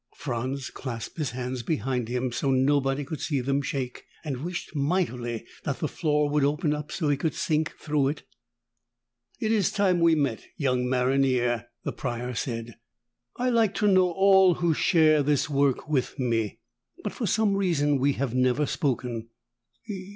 Franz clasped his hands behind him, so nobody could see them shake, and wished mightily that the floor would open up so he could sink through it. "It is time we met, young maronnier," the Prior said. "I like to know all who share this work with me. But for some reason, we have never spoken."